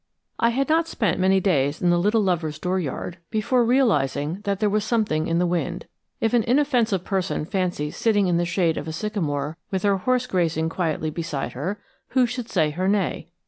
I HAD not spent many days in The Little Lover's door yard before realizing that there was something in the wind. If an inoffensive person fancies sitting in the shade of a sycamore with her horse grazing quietly beside her, who should say her nay?